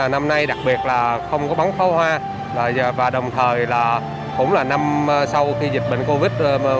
năm nay đặc biệt là không có bán pháo hoa và đồng thời là cũng là năm sau khi dịch bệnh covid một mươi chín